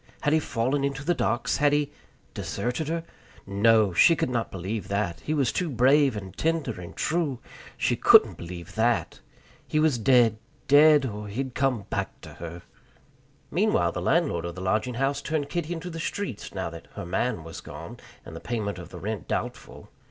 Had he fallen into the docks? Had he deserted her? No! She could not believe that; he was too brave and tender and true. She couldn't believe that. He was dead, dead, or he'd come back to her. Meanwhile the landlord of the lodging house turned Kitty into the streets, now that "her man" was gone, and the payment of the rent doubtful.